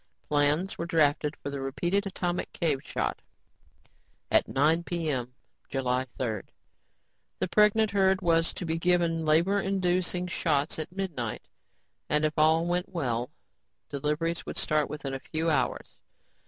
Plans were drafted for the repeat atomic cave shot at 9:00 p.m., July 3rd. The pregnant herd was to be given labor inducing shots at midnight, and, if all went well, deliveries would start within a few hours.